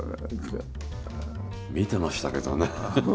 見てましたけどね。